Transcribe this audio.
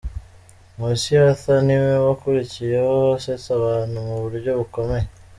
Nkusi Arthur ni we wakurikiyeho asetsa abantu mu buryo bukomeye.